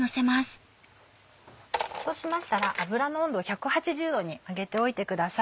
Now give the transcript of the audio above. そうしましたら油の温度を１８０℃に上げておいてください。